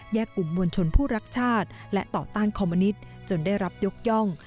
กลุ่มมวลชนผู้รักชาติและต่อต้านคอมมนิตจนได้รับยกย่อง